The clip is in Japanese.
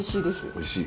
おいしい。